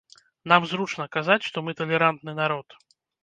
Нам зручна казаць, што мы талерантны народ.